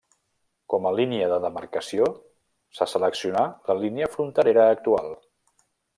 Com a línia de demarcació, se seleccionà la línia fronterera actual.